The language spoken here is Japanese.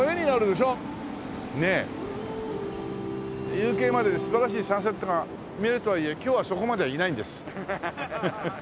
夕景まで素晴らしいサンセットが見えるとはいえ今日はそこまではいないんです。